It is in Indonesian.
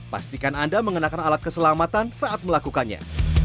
pastikan anda mengenakan alat keselamatan saat melakukannya